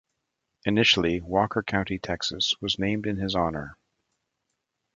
Initially, Walker County, Texas, was named in his honor.